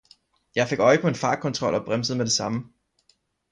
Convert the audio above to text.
Jeg fik øje på en fartkontrol og bremsede med det samme.